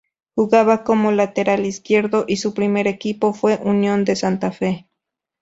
Jugaba como lateral izquierdo y su primer equipo fue Unión de Santa Fe.